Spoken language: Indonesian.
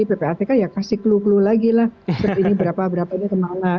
ppatk ya kasih clue clue lagi lah ini berapa berapa ini kemana